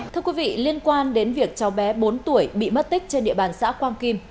thưa quý vị liên quan đến việc cháu bé bốn tuổi bị mất tích trên địa bàn xã quang kim